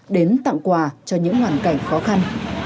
đến tặng quà cho những hoàn cảnh khó khăn